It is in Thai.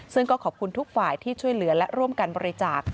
ซึ่งก็ขอบคุณทุกฝ่ายที่ช่วยเหลือและร่วมกันบริจาค